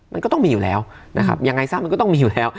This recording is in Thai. มันก็ต้องมีอยู่แล้วนะครับยังไงซะมันก็ต้องมีอยู่แล้ว